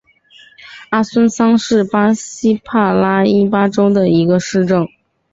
阿孙桑是巴西帕拉伊巴州的一个市镇。